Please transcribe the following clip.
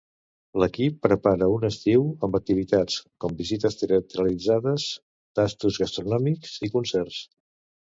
L'equip prepara un estiu amb activitats, com visites teatralitzades, tastos gastronòmics i concerts.